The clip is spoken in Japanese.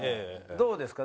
どうですか？